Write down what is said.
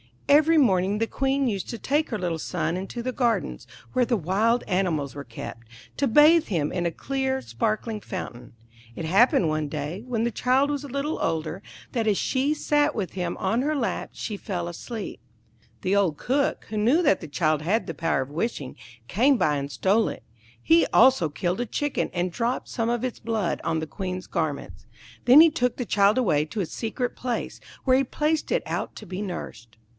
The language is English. Every morning the Queen used to take her little son into the gardens, where the wild animals were kept, to bathe him in a clear, sparkling fountain. It happened one day, when the child was a little older, that as she sat with him on her lap she fell asleep. The old Cook, who knew that the child had the power of wishing, came by and stole it; he also killed a Chicken, and dropped some of its blood on the Queen's garments. Then he took the child away to a secret place, where he placed it out to be nursed.